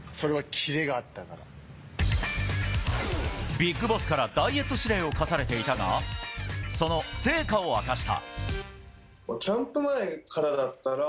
ビッグボスからダイエット指令を課されていたがその成果を明かした。